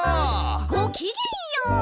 ごきげんよう！